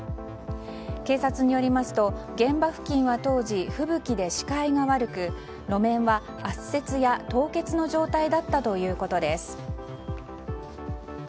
警察によりますと現場付近は当時吹雪で視界が悪く路面は圧雪や凍結の状態だったということです。